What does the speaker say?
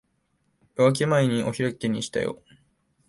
夜明け前にお開きにしたよ。